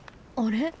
あれ？